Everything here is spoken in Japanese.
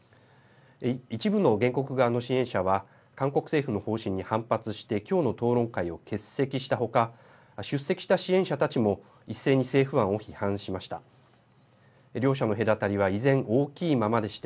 一部の原告側の支援者は韓国政府の方針に反発して今日の討論会を欠席した他出席した支援者たちも一斉に政府案を批判しました。